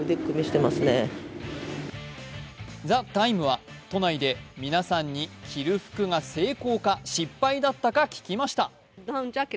「ＴＨＥＴＩＭＥ，」は都内で皆さんに着る服が成功か失敗だったか聞きました。